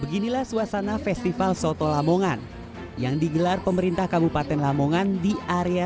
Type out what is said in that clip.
beginilah suasana festival soto lamongan yang digelar pemerintah kabupaten lamongan di area